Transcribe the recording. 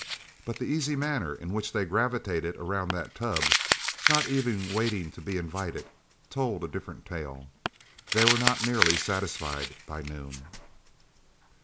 But the easy manner in which they gravitated around that tub not even waiting to be invited told a different tale. They were not nearly satisfied by noon.